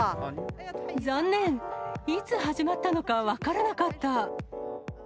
残念、いつ始まったのか分からなかった。